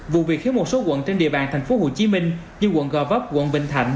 vụ việc khiến một số quận trên địa bàn thành phố hồ chí minh như quận gò vấp quận bình thạnh